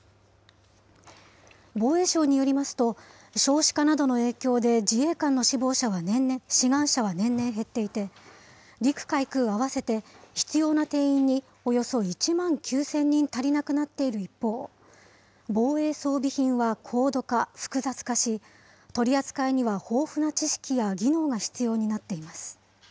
防衛省によりますと、少子化などの影響で、自衛官の志願者は年々減っていて、陸海空合わせて必要な定員におよそ１万９０００人足りなくなっている一方、防衛装備品は高度化・複雑化し、取り扱いには豊富な知識や技能が必要になっています。